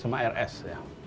sama rs ya